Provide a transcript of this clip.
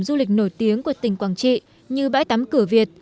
du lịch nổi tiếng của tỉnh quảng trị như bãi tắm cửa việt